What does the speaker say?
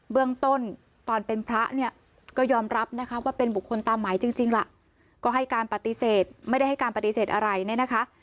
เรื่องต้นตอนเป็นพระเนี่ยก็ยอมรับนะคะว่าเป็นบุคคลตามหมายจริงล่ะก็ให้การปฏิเสธไม่ได้ให้การปฏิเสธอะไรเนี่ยนะคะ